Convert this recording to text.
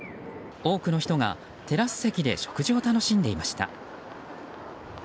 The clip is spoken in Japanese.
多くの人がテラス席で食事を楽しんでいました。